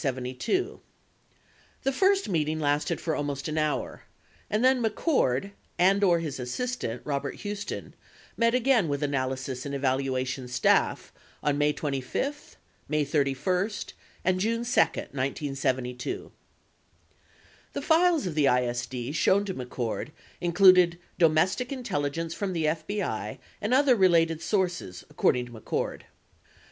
12 The first meeting lasted for almost an hour, and then McCord and/or his assistant, Robert Huston, met again with Analysis and Evaluation staff on May 25, May 31, and June 2, 1972. 13 The files of the ISD shown to McCord included domestic intelli gence from the FBI and other related sources, according to McCord.